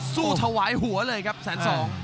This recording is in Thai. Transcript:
ถวายหัวเลยครับแสนสอง